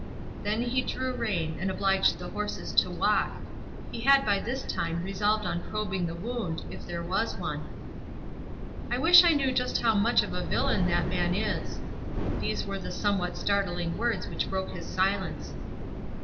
Then he drew rein, and obliged the horses to walk; he had by this time resolved on probing the wound, if there was one. "I wish I knew just how much of a villain that man is." These were the somewhat startling words which broke his silence.